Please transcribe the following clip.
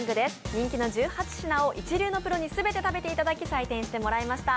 人気の１８品を一流のプロに全て食べいただき、調査していただきました。